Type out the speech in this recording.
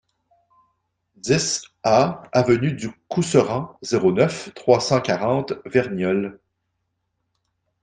dix A avenue du Couserans, zéro neuf, trois cent quarante, Verniolle